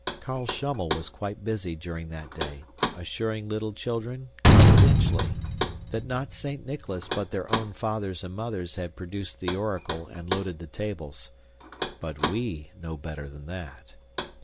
Carl Schummel was quite busy during that day, assuring little children, confidentially, that not Saint Nicholas but their own fathers and mothers had produced the oracle and loaded the tables. But WE know better than that.